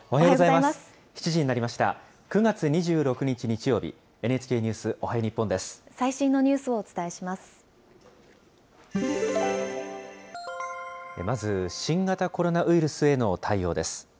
まず、新型コロナウイルスへの対応です。